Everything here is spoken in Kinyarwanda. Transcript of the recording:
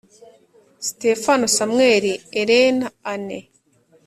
sitefano, samuel, ellen, anne.